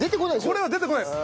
これは出てこないです。